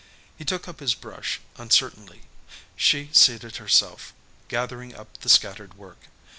He took up his brush uncertainly. She seated herself, gathering up the scattered work.